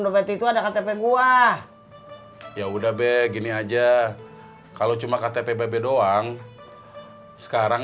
dompet itu ada ktp gua ya udah beg ini aja kalau cuma ktp bebe doang sekarang